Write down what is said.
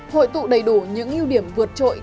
hội tụ đầy đủ những ưu điểm vượt trội